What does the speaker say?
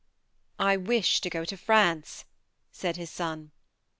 " I want to go to France," said his son.